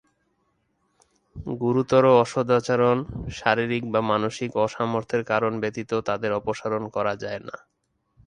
গুরুতর অসদাচরণ, শারীরিক বা মানসিক অসামর্থ্যের কারণ ব্যতীত তাদের অপসারণ করা যায় না।